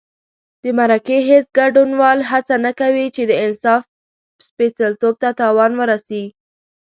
د مرکې هېڅ ګډونوال هڅه نه کوي چې د انصاف سپېڅلتوب ته تاوان ورسي.